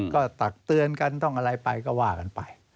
ก็ตักเตือนกันต้องอะไรไปก็ว่ากันไป